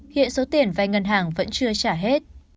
hiện số tiền vay ngân hàng vẫn chưa trả hết